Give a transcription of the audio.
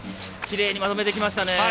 きれいにまとめてきましたね。